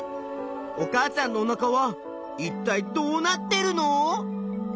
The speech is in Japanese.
お母さんのおなかはいったいどうなってるの？